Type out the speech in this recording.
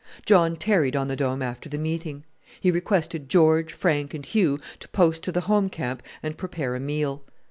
John tarried on the Dome after the meeting. He requested George, Frank, and Hugh to post to the home camp and prepare a meal.